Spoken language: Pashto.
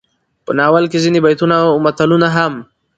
په ناول کې ځينې بيتونه او متلونه هم